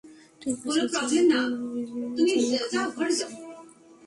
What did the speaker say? ঠিক আছে, যা তুই, মায়ের জন্য খারাপ লাগছে।